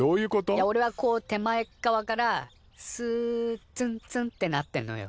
いやおれはこう手前っ側からスッツンツンッてなってんのよ。